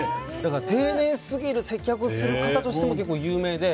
丁寧すぎる接客をする方としても結構、有名で。